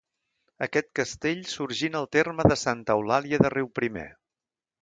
Aquest castell sorgí en el terme de Santa Eulàlia de Riuprimer.